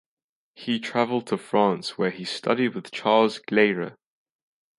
He traveled to France where he studied with Charles Gleyre.